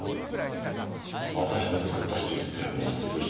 私の作ったシステムを潰したのは。